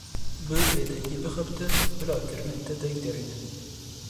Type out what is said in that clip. Bi bêdengî bixebite, bila kirinên te deng derînin.